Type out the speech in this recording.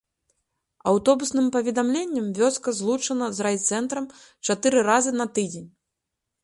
Аўтобусным паведамленнем вёска злучана з райцэнтрам чатыры разы на тыдзень.